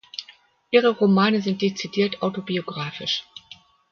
Ihre Romane sind dezidiert autobiografisch.